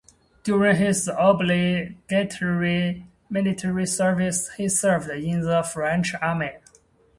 During his obligatory military service he served in the French Army.